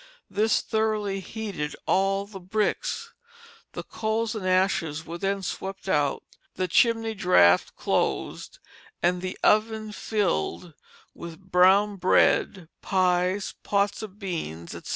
This thoroughly heated all the bricks. The coals and ashes were then swept out, the chimney draught closed, and the oven filled with brown bread, pies, pots of beans, etc.